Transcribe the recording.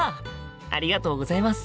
ありがとうございます。